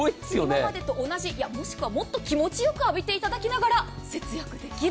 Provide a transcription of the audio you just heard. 今までと同じ、もしくはもっと気持ちよく浴びていただきながら節水できる。